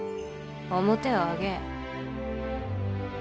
面を上げい。